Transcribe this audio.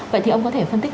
vậy thì ông có thể phân tích